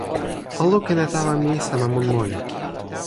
o lukin e tawa mi sama mun moli.